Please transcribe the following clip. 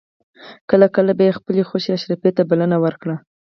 کله کله به یې خپلې خوښې اشرافي ته بلنه ورکړه.